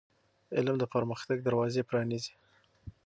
علم د پرمختګ دروازې پرانیزي.